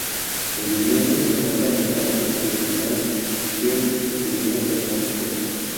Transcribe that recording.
El viñedo se encuentra en los de Altos Pirineos, Gers y Pirineos Atlánticos.